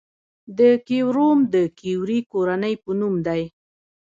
د کوریوم د کیوري کورنۍ په نوم دی.